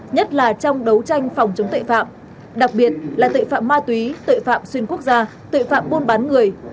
nhất là trong đấu tranh phòng chống tội phạm đặc biệt là tội phạm ma túy tội phạm xuyên quốc gia tội phạm buôn bán người